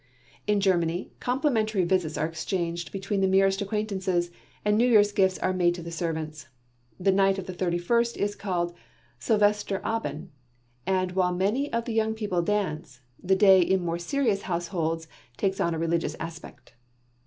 In Germany, complimentary visits are exchanged between the merest acquaintances, and New Year's gifts are made to the servants. The night of the thirty first is called Sylvester Aben and while many of the young people dance, the day in more serious households takes on a religious aspect.